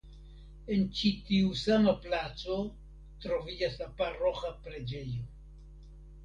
En ĉi tiu sama placo troviĝas la paroĥa preĝejo.